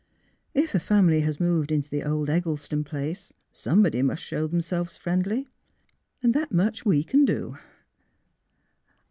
" If a family has moved into the old Eggleston place, somebody must show themselves friendly, and that much we can do."